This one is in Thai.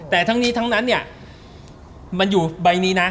แต่ทั้งนี้ทั้งนั้นเนี่ยมันอยู่ใบนี้นะ